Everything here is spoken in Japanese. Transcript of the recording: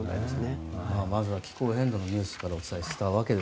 まずは気候変動のニュースからお伝えしました。